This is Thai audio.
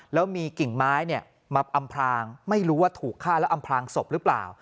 แล้วมีกิ่งไม้มาอำพลางไม่รู้ว่าถูกฆ่าแล้วอำพลางศพหรือเปล่า